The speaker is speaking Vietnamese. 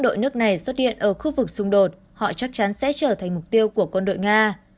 đội nước này xuất hiện ở khu vực xung đột họ chắc chắn sẽ trở thành mục tiêu của quân đội nga